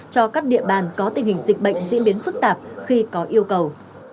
cho các địa bàn có tình hình dịch bệnh diễn biến phức tạp khi có yêu cầu